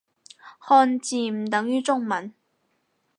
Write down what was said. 漢字唔等於中文